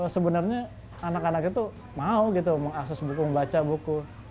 sebenarnya anak anak itu mau gitu mengakses buku membaca buku